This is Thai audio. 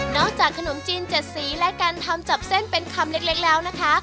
จากขนมจีน๗สีและการทำจับเส้นเป็นคำเล็กแล้วนะคะ